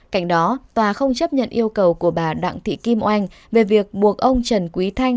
cạnh đó tòa không chấp nhận yêu cầu của bà đặng thị kim oanh về việc buộc ông trần quý thanh